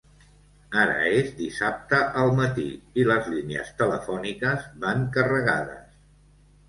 Ara és dissabte al matí i les línies telefòniques van carregades.